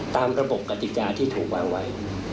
ตามระบบกติกาที่ถูกวางไว้